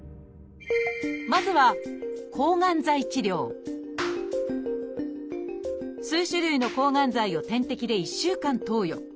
まずは数種類の抗がん剤を点滴で１週間投与